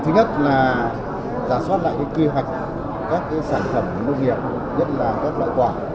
thứ nhất là giả soát lại quy hoạch các sản phẩm nông nghiệp nhất là các loại quả